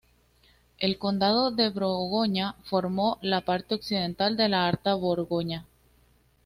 El condado de Borgoña formó la parte occidental de la Alta Borgoña.